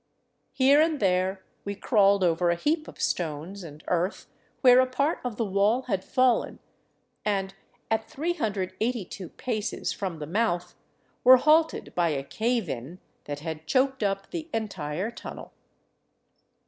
Here and there we crawled over a heap of stones and earth where a part of the wall had fallen, and at 382 paces from the mouth were halted by a cave in that had choked up the entire tunnel.